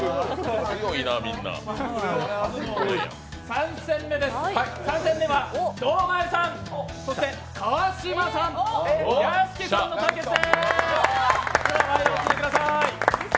３戦目です、３戦目は堂前さん、そして川島さん、屋敷さんの対決です。